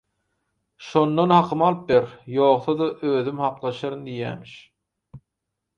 Şоndan hakymy alyp bеr, ýogsa-da özüm haklaşaryn – diýýämiş.